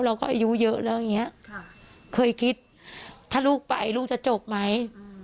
เราก็อายุเยอะแล้วเคยคิดถ้าลูกไปลูกจะจบไหม